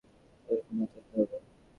তাকে ক্ষমা চাইতে হবে!